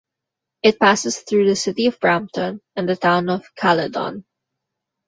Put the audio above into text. It passes through the City of Brampton and the Town of Caledon.